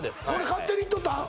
勝手に行っとったん？